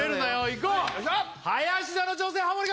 いこう林田の挑戦ハモリ